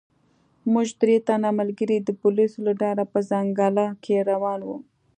موږ درې تنه ملګري د پولیسو له ډاره په ځنګله کې روان وو.